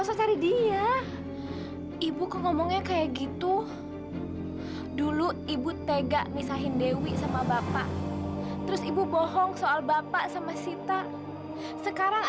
sampai jumpa di video selanjutnya